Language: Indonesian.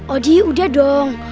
odi udah dong